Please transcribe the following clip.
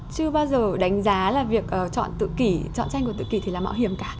chưa bao giờ đánh giá là việc chọn tự kỷ chọn tranh của tự kỳ thì là mạo hiểm cả